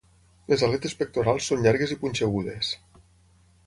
Les aletes pectorals són llargues i punxegudes.